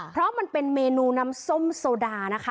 เพราะมันเป็นเมนูน้ำส้มโซดานะคะ